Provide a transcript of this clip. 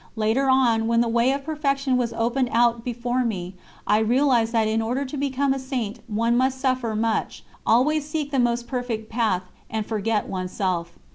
Later on, when the way of perfection was opened out before me, I realised that in order to become a Saint one must suffer much, always seek the most perfect path, and forget oneself.